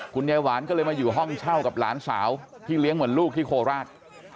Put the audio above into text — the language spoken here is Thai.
คุณยายหวานก็เลยมาอยู่ห้องเช่ากับหลานสาวที่เลี้ยงเหมือนลูกที่โคราช